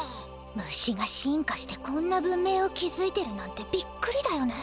ムシが進化してこんな文明をきずいてるなんてびっくりだよね。